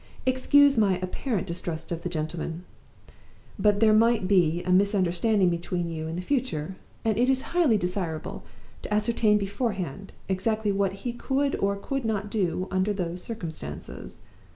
Excuse my apparent distrust of the gentleman. But there might be a misunderstanding between you in the future, and it is highly desirable to ascertain beforehand exactly what he could or could not do under those circumstances.